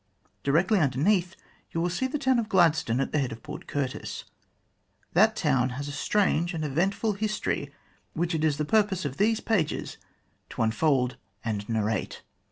Directly underneath you will see the town of Gladstone at the head of Port Curtis. That town has a strange and eventful history which it is the purpose of these pages to unfold and narrate.